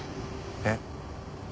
えっ？